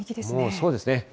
そうですね。